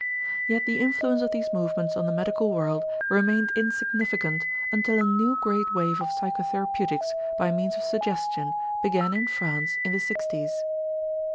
Yet the influence of these movements on the medical world remained insignificant until a new great wave of psychotherapeutics by means of suggestion began in France in the sixties.